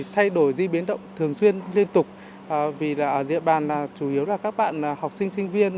thay đổi di biến động thường xuyên liên tục vì địa bàn chủ yếu là các bạn học sinh sinh viên